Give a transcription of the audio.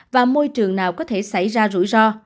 và môi trường nào có thể xảy ra rủi ro